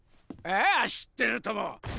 ああ知ってるとも。